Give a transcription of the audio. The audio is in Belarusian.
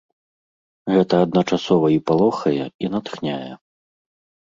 Гэта адначасова і палохае, і натхняе.